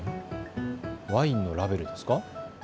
ワインのラベルですか。